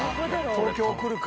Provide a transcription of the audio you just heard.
東京くるか？